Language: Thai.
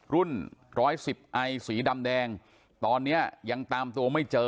รุ่นร้อยสิบไอสีดำแดงตอนเนี้ยังตามตัวไม่เจอ